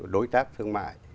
đối tác thương mại